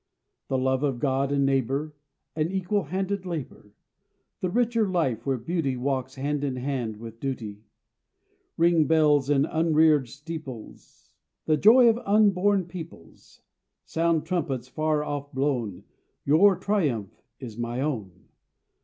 The love of God and neighbor; An equal handed labor; The richer life, where beauty Walks hand in hand with duty. Ring, bells in unreared steeples, The joy of unborn peoples! Sound, trumpets far off blown, Your triumph is my own.